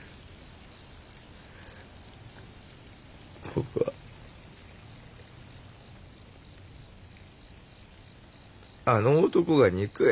僕はあの男が憎い。